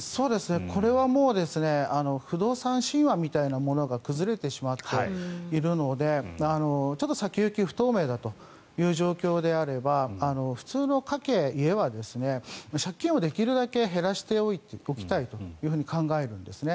これはもう不動産神話みたいなものが崩れてしまっているのでちょっと先行き不透明だという状況であれば普通の家計、家は借金をできるだけ減らしておきたいと考えるんですね。